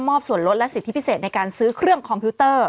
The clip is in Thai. ส่วนลดและสิทธิพิเศษในการซื้อเครื่องคอมพิวเตอร์